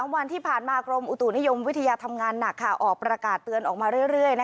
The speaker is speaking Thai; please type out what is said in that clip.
วันที่ผ่านมากรมอุตุนิยมวิทยาทำงานหนักออกประกาศเตือนออกมาเรื่อย